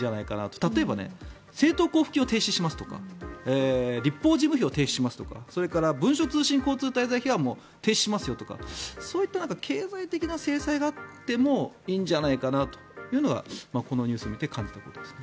例えば政党交付金を停止しますとか立法事務費を停止しますとかそれから文書通信交通滞在費は停止しますよとかそういった経済的な制裁があってもいいんじゃないかなというのがこのニュースを見て感じたことですね。